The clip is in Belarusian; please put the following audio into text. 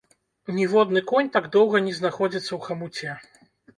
Ніводны конь так доўга не знаходзіцца ў хамуце.